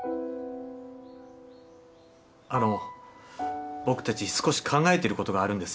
あの僕たち少し考えてることがあるんです